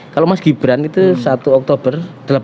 kalau mas gibran itu satu oktober